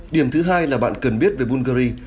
điểm thứ hai là bạn cần biết về bulgari